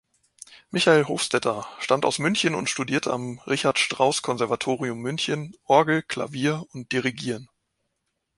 Michael Hofstetter stammt aus München und studierte am Richard-Strauss-Konservatorium München Orgel, Klavier und Dirigieren.